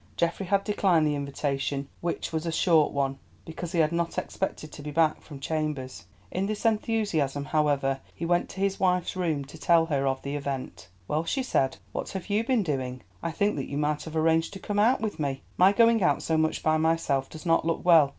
Geoffrey had declined the invitation, which was a short one, because he had not expected to be back from chambers. In his enthusiasm, however, he went to his wife's room to tell her of the event. "Well," she said, "what have you been doing? I think that you might have arranged to come out with me. My going out so much by myself does not look well.